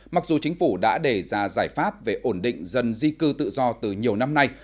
mặc dù chính phủ đã đề ra giải pháp về ổn định dân di cư tự do từ nhiều năm nay